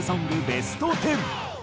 ベスト１０。